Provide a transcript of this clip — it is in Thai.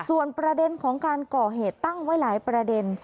ส่วนประเด็นของการก่อเหตุตั้งไว้หลายประเด็น